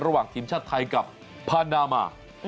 ระหว่างทีมชาติไทยกับพานนามา